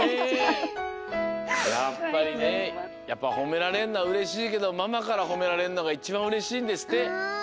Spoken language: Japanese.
やっぱりねやっぱほめられんのはうれしいけどママからほめられんのがいちばんうれしいんですって。